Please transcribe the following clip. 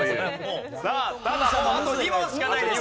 さあただもうあと２問しかないです。